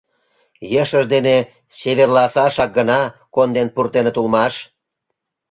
Ешыж дене чеверласашак гына конден пуртеныт улмаш.